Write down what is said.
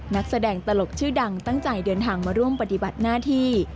นักแสดงตลกชื่อดังตั้งใจเดินทางมาร่วมปฏิบัติหน้าที่